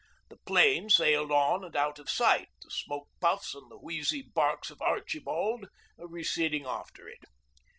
The 'plane sailed on and out of sight, the smoke puffs and the wheezy barks of 'Archibald' receding after it.